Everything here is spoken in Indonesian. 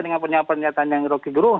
dengan pernyataan yang rocky gerung